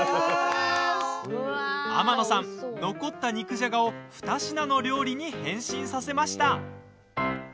天野さん、残った肉じゃがを２品の料理に変身させました。